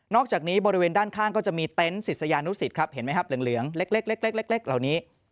อกจากนี้บริเวณด้านข้างก็จะมีเต็นต์ศิษยานุสิตครับเห็นไหมครับเหลืองเล็กเหล่านี้